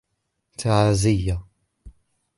تعازيّ.